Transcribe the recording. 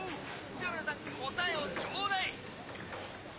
では皆さん答えをちょうだい！